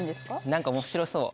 何か面白そう。